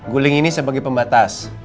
guling ini sebagai pembatas